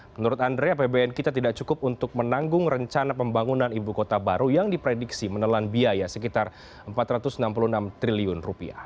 menurut andre apbn kita tidak cukup untuk menanggung rencana pembangunan ibu kota baru yang diprediksi menelan biaya sekitar rp empat ratus enam puluh enam triliun